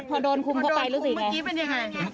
พอโดนคุมเข้าไปรู้สึกยังไง